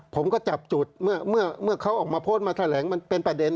ผมก็จับจุดเมื่อเขาออกมาโพสต์มาแถลงมันเป็นประเด็น